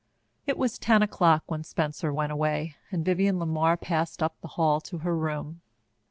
It was ten o'clock when Spencer went away and Vivienne LeMar passed up the hall to her room.